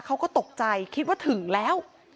เขาก็ตกใจคิดว่าถึงแล้ว